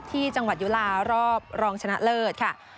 ที่จังหวัดยุลารอบรองชนะเลิศค่ะ